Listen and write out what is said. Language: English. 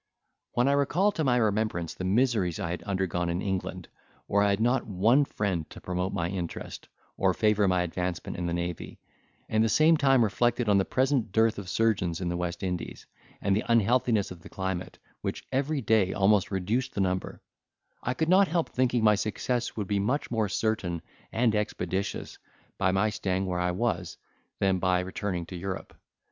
When I recalled to my remembrance the miseries I had undergone in England, where I had not one friend to promote my interest, or favour my advancement in the navy, and the same time reflected on the present dearth of surgeons in the West Indies, and the unhealthiness of the climate, which every day almost reduced the number, I could not help thinking my success would be much more certain and expeditious by my staying where I was, than by returning to Europe.